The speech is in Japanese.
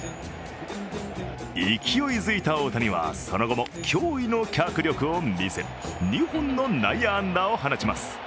勢いづいた大谷は、その後も驚異の脚力を見せ、２本の内野安打を放ちます。